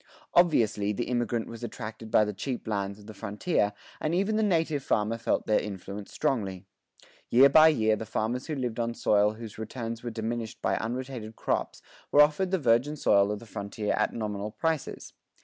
Obviously the immigrant was attracted by the cheap lands of the frontier, and even the native farmer felt their influence strongly. Year by year the farmers who lived on soil whose returns were diminished by unrotated crops were offered the virgin soil of the frontier at nominal prices.